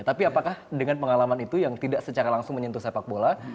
tapi apakah dengan pengalaman itu yang tidak secara langsung menyentuh sepak bola